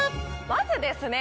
まずですね